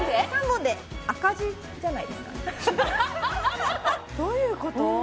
３本で赤字じゃないですかどういうこと？